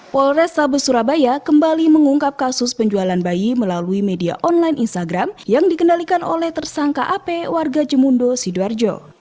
polresta besurabaya kembali mengungkap kasus penjualan bayi melalui media online instagram yang dikendalikan oleh tersangka app warga jemundo sidoarjo